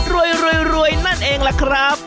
รวยนั่นเองล่ะครับ